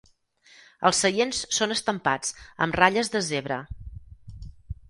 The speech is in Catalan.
Els seients són estampats amb ratlles de zebra.